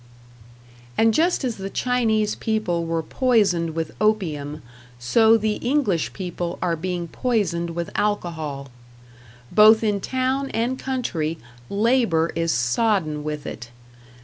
And just as the Chinese people were poisoned with opium, so the English people are being poisoned with alcohol. Both in town and country, labor is sodden with it.